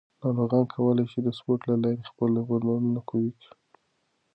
ناروغان کولی شي د سپورت له لارې خپل بندونه قوي کړي.